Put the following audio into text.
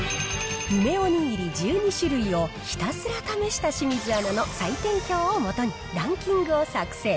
梅おにぎり１２種類をひたすら試した清水アナの採点表をもとにランキングを作成。